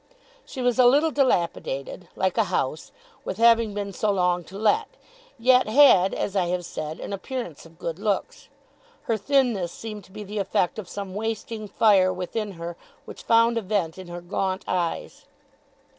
She was a little dilapidated like a house with having been so long to let; yet had, as I have said, an appearance of good looks. Her thinness seemed to be the effect of some wasting fire within her, which found a vent in her gaunt eyes.